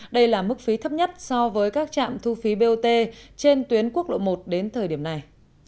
đây là mức phí thấp nhất so với các trạm thu phí bot trên tuyến quốc lộ một đến thời điểm này